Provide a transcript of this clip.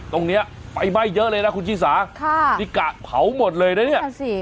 ตรงนี้ไฟไหม้เยอะเลยนะคุณชิสาค่ะนี่กะเผาหมดเลยนะเนี่ย